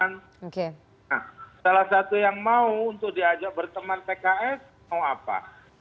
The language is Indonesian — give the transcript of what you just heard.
nah salah satu yang mau untuk diajak berteman pks mau apa